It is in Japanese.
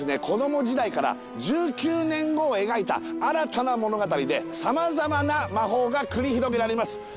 子ども時代から１９年後を描いた新たな物語で様々な魔法が繰り広げられます